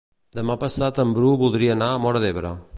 Demà passat en Bru voldria anar a Móra d'Ebre.